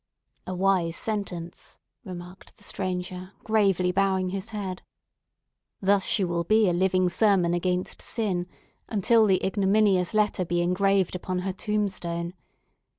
"A wise sentence," remarked the stranger, gravely, bowing his head. "Thus she will be a living sermon against sin, until the ignominious letter be engraved upon her tombstone.